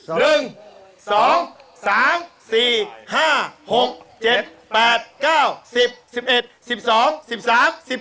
อะไรนะ